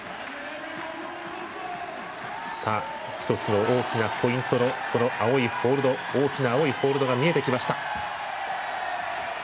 １つの大きなポイントの大きな青いホールドが見えてきました。